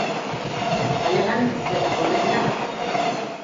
Kale honetan Ezpeleta jauregia dago.